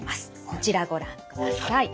こちらご覧ください。